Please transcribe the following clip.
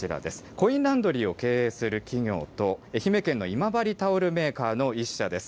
コインランドリーを経営する企業と、愛媛県の今治タオルメーカーの１社です。